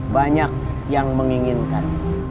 banyak yang menginginkan